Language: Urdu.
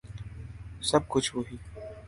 سَب کُچھ وہی